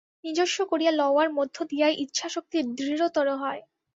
নিজস্ব করিয়া লওয়ার মধ্য দিয়াই ইচ্ছাশক্তি দৃঢ়তর হয়।